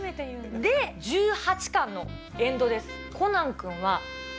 で、１８巻のエンドです。